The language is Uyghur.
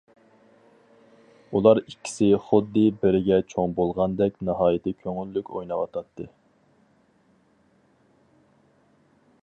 ئۇلار ئىككىسى خۇددى بىرگە چوڭ بولغاندەك ناھايىتى كۆڭۈللۈك ئويناۋاتاتتى.